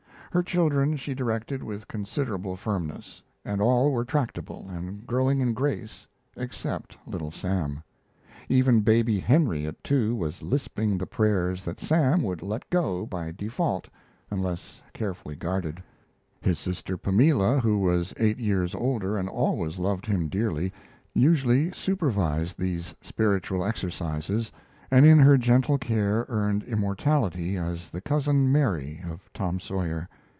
Her children she directed with considerable firmness, and all were tractable and growing in grace except Little Sam. Even baby Henry at two was lisping the prayers that Sam would let go by default unless carefully guarded. His sister Pamela, who was eight years older and always loved him dearly, usually supervised these spiritual exercises, and in her gentle care earned immortality as the Cousin Mary of Tom Sawyer.